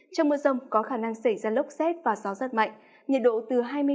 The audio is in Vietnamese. trong mưa rông có khả năng xảy ra lốc xét và gió rất mạnh nhiệt độ từ hai mươi bốn ba mươi một độ